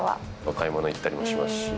買い物行ったりもしますし。